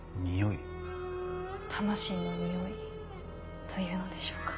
魂の匂いというのでしょうか。